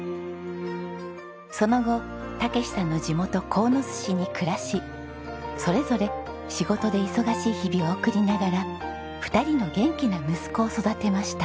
その後健さんの地元鴻巣市に暮らしそれぞれ仕事で忙しい日々を送りながら２人の元気な息子を育てました。